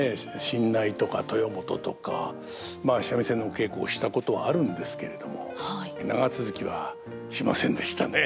新内とか豊本とかまあ三味線のお稽古をしたことはあるんですけれども長続きはしませんでしたね。